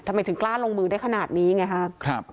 ทำไมถึงกล้าลงมือได้ขนาดนี้ไงครับ